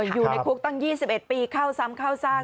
อยู่ในคุกตั้ง๒๑ปีเข้าซ้ำเข้าซาก